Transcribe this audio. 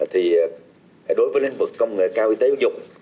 thì đối với lĩnh vực công nghệ cao y tế ưu dục